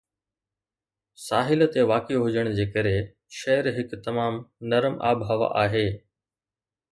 ساحل تي واقع هجڻ جي ڪري، شهر هڪ تمام نرم آبهوا آهي